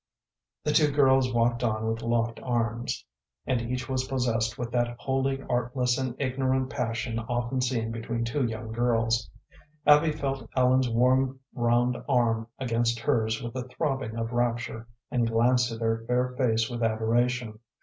The two girls walked on with locked arms, and each was possessed with that wholly artless and ignorant passion often seen between two young girls. Abby felt Ellen's warm round arm against hers with a throbbing of rapture, and glanced at her fair face with adoration.